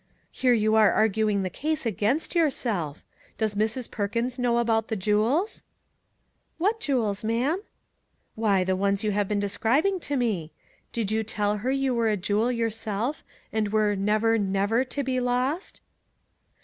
" Here you are arguing the case against yourself. Does Mrs. Perkins know about the jewels ?"" What jewels, ma'am ?"" Why, the ones you have been describing to me? Did you tell her you were a jewel your self, and were ' never, never to be lost?